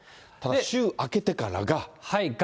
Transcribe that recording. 週明けてからが。